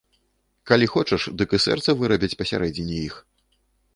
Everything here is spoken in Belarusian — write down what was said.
Калі хочаш, дык і сэрца вырабяць пасярэдзіне іх.